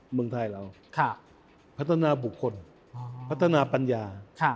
เมืองไทยเราพัฒนาบุคคลพัฒนาปัญญา